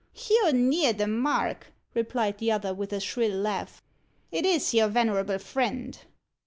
"You're near the mark," replied the other, with a shrill laugh. "It is your venerable friend."